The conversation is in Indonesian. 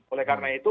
oleh karena itu